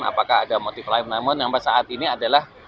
apakah ada motif lain namun sampai saat ini adalah